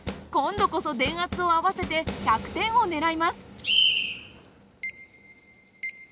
今度こそ電圧を合わせて１００点を狙います。